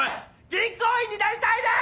銀行員になりたいです！